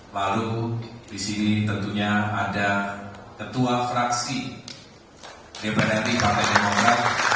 lalu di sini tentunya ada ketua fraksi dpr ri partai demokrat